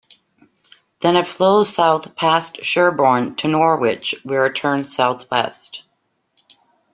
Then it flows south past Sherburne to Norwich, where it turns southwest.